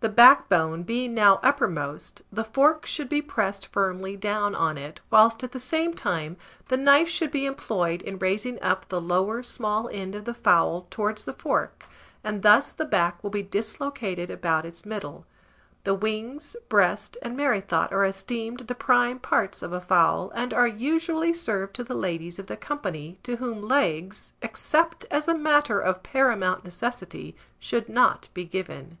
The backbone being now uppermost, the fork should be pressed firmly down on it, whilst at the same time the knife should be employed in raising up the lower small end of the fowl towards the fork, and thus the back will be dislocated about its middle. The wings, breast, and merrythought are esteemed the prime parts of a fowl, and are usually served to the ladies of the company, to whom legs, except as a matter of paramount necessity, should not be given.